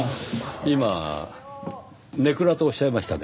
今ネクラとおっしゃいましたね？